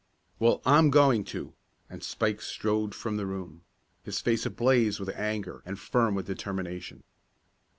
"Well, I'm going to!" and Spike strode from the room, his face ablaze with anger and firm with determination.